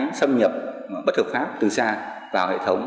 những xâm nhập bất thực pháp từ xa vào hệ thống